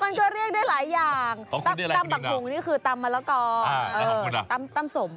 มันก็เรียกได้หลายอย่างตำตำตำบัคกู๋มเค่ตำมาละก็